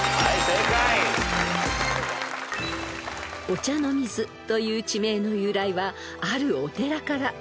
［御茶ノ水という地名の由来はあるお寺から］